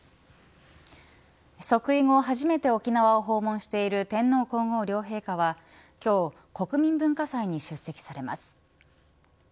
即位後、初めて沖縄を訪問している天皇皇后両陛下は今日国民文化祭に出席されます。